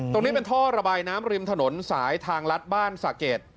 ตรงนี้เป็นท่อระบายน้ำริมถนนสายทางลัดบ้านสะเกด